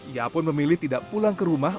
ia pun memilih tidak pulang ke rumah